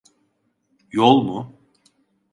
Yol mu?